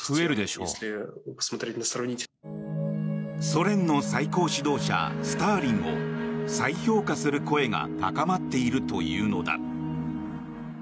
ソ連の最高指導者スターリンを再評価する声が高まっているというのだ。